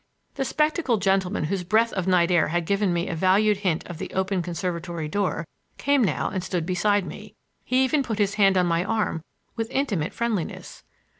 The spectacled gentleman whose breath of night air had given me a valued hint of the open conservatory door came now and stood beside me. He even put his hand on my arm with intimate friendliness.